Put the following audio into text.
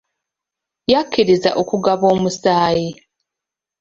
Yakkirizza okugaba omusaayi.